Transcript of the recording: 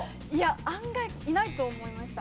案外いないと思いました。